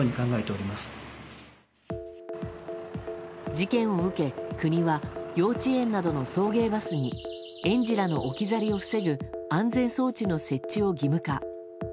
事件を受け、国は幼稚園などの送迎バスに園児らの置き去りを防ぐ安全装置の設置を義務化。